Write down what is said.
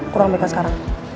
ke ruang bk sekarang